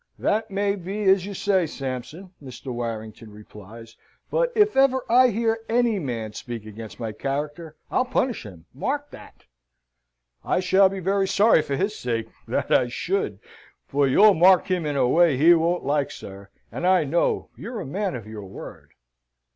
"That may be as you say, Sampson," Mr. Warrington replies, "but if ever I hear any man speak against my character I'll punish him. Mark that." "I shall be very sorry for his sake, that I should; for you'll mark him in a way he won't like, sir; and I know you are a man of your word."